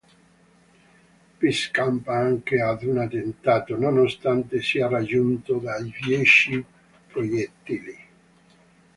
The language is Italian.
Vi scampa anche ad un attentato, nonostante sia raggiunto da dieci proiettili.